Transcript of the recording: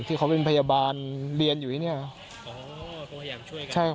ที่เขาเป็นพยาบาลเรียนอยู่ที่เนี้ยอ๋อก็พยายามช่วยกันใช่